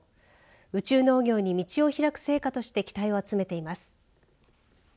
宇宙農業に道を開く成果として期待を集めています。